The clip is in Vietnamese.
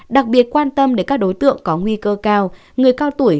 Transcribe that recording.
đặc biệt quan tâm đến các đối tượng có nguy cơ cao người cao tuổi